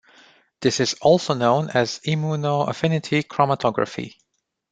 This is also known as Immunoaffinity Chromatography.